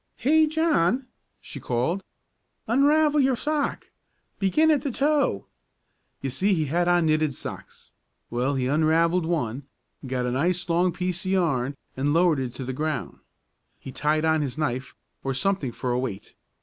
"'Hey, John!' she called 'unravel your sock. Begin at the toe!' You see he had on knitted socks. Well, he unravelled one, got a nice long piece of yarn and lowered it to the ground. He tied on his knife, or something for a weight.